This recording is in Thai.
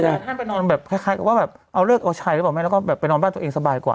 ถ้าไปนอนแบบคล้ายเอาเลิกเอาใช้แล้วก็ไปนอนบ้านตัวเองสบายกว่า